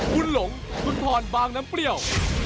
คุณหลงคุณพรบางน้ำเปรี้ยว